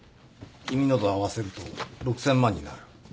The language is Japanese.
君のと合わせると６，０００万になる。